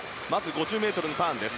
５０ｍのターンです。